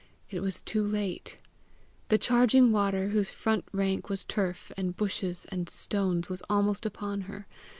It was too late. The charging water, whose front rank was turf, and hushes, and stones, was almost upon her.